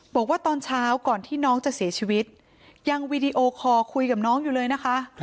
บอกว่าตอนเช้าก่อนที่น้องจะเสียชีวิตยังวีดีโอคอร์คุยกับน้องอยู่เลยนะคะ